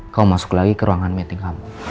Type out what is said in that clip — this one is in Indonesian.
kau masuk lagi ke ruangan meeting kamu